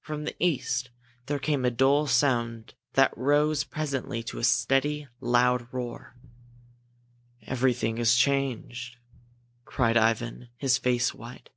From the east there came a dull sound that rose presently to a steady, loud roar. "Everything has changed!" cried Ivan, his face white.